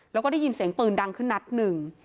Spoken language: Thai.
แล้วก็ได้ยินเสียงปืนดังขึ้นนัดหนึ่ง